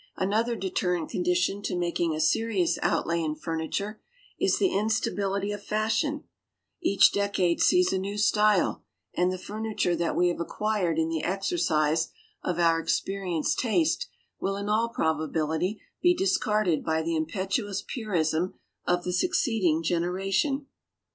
Another deterrent condition to making a serious outlay in furniture is the instability of fashion: each decade sees a new style, and the furniture that we have acquired in the exercise of our experienced taste will in all probability be discarded by the impetuous purism of the succeeding generation.